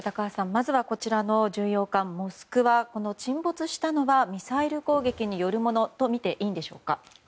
まず巡洋艦「モスクワ」が沈没したのはミサイル攻撃によるものとみていいんでしょうか。